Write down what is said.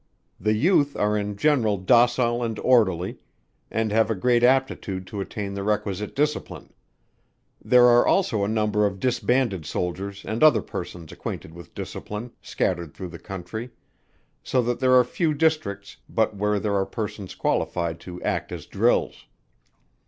The youth are in general docile and orderly, and have a great aptitude to attain the requisite discipline; there are also a number of disbanded soldiers and other persons acquainted with discipline, scattered through the country; so that there are few districts, but where there are persons qualified to act as drills.